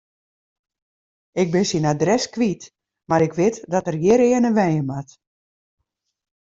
Ik bin syn adres kwyt, mar ik wit dat er hjirearne wenje moat.